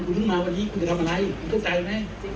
คุณเพิ่งมาวันนี้คุณจะทำอะไรคุณเข้าใจไหม